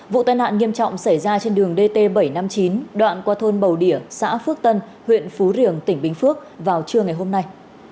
vụ tai nạn nghiêm trọng xảy ra trên đường dt bảy trăm năm mươi chín đoạn qua thôn bầu đỉa xã phước tân huyện phú riềng tỉnh bình phước vào trưa ngày hôm nay